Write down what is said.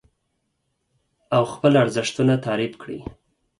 او خپل ارزښتونه تعريف کړئ.